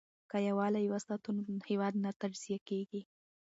که یووالي وساتو نو هیواد نه تجزیه کیږي.